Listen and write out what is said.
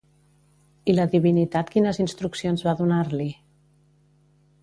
I la divinitat quines instruccions va donar-li?